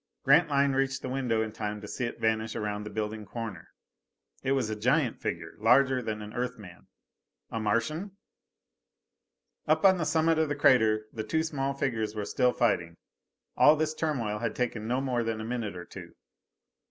Grantline reached the window in time to see it vanish around the building corner. It was a giant figure, larger than an Earth man. A Martian? Up on the summit of the crater the two small figures were still fighting. All this turmoil had taken no more than a minute or two.